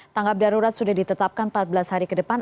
tanggap darurat sudah ditetapkan empat belas hari ke depan